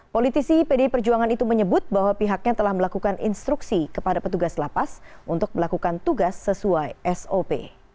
politisi pdi perjuangan itu menyebut bahwa pihaknya telah melakukan instruksi kepada petugas lapas untuk melakukan tugas sesuai sop